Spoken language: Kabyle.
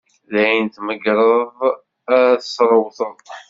D ayen tmegreḍ ara tesrewreḍ.